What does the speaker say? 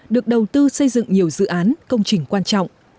được đầu tư xây dựng nhiều dự án công trình quan trọng